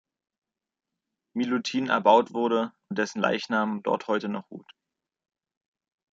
Milutin erbaut wurde, und dessen Leichnam dort heute noch ruht.